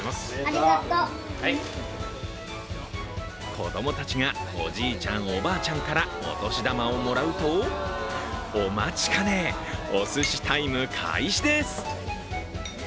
子供たちがおじいちゃん、おばあちゃんからお年玉をもらうとお待ちかね、おすしタイム開始です。